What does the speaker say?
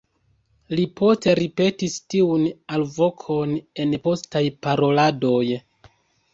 Li poste ripetis tiun alvokon en postaj paroladoj.